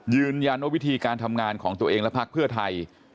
ยืนยันว่าวิธีการทำงานของตัวเองและพักเพื่อไทย